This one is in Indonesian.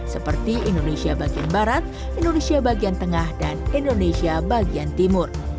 seperti indonesia bagian barat indonesia bagian tengah dan indonesia bagian timur